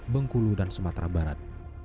bengkulu dan sumatera barat